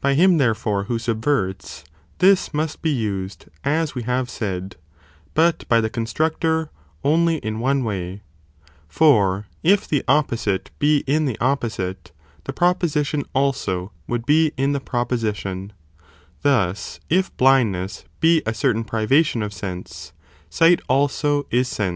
by him therefore who subverts, this must be used as we have said, but by the constructor only in one way, for if the op posite be in the opposite, the proposition also would be in the proposition, thus, if blindness be a certain privation of sense, sight also is sense.